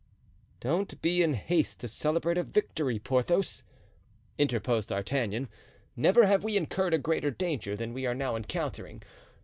"Don't be in haste to celebrate a victory, Porthos," interposed D'Artagnan; "never have we incurred a greater danger than we are now encountering.